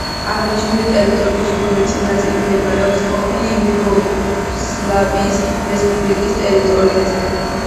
აღნიშნული ტერიტორიის უდიდესი ნაწილი მდებარეობს ყოფილი იუგოსლავიის რესპუბლიკების ტერიტორიაზე.